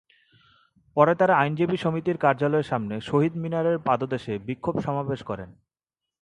পরে তাঁরা আইনজীবী সমিতির কার্যালয়ের সামনে শহীদ মিনারের পাদদেশে বিক্ষোভ সমাবেশ করেন।